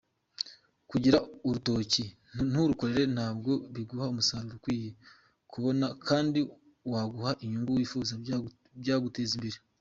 Kugira urutoki nturukorere ntabwo biguha umusaruro ukwiriye kubona kandi waguha inyungu wifuza, byaguteza imbere.